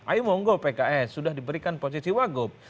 ayo monggo pks sudah diberikan posisi wagub